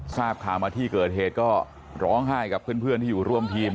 ทราบข่าวมาที่เกิดเหตุก็ร้องไห้กับเพื่อนที่อยู่ร่วมทีม